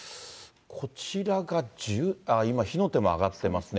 こちらが、今、火の手も上がってますね。